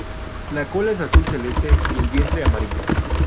La cola es azul celeste y el vientre amarillo.